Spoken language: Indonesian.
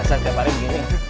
jasa siapapun gini